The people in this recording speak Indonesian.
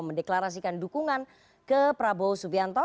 mendeklarasikan dukungan ke prabowo subianto